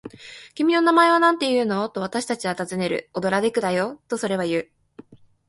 「君の名前はなんていうの？」と、私たちはたずねる。「オドラデクだよ」と、それはいう。